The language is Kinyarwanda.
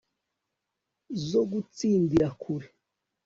zo gutsindira kure